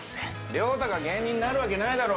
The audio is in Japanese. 亮太が芸人になるわけないだろ。